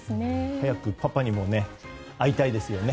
早くパパにも会いたいですよね。